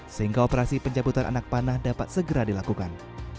sehingga operasi pencabutan anak panah dapat segera dilakukan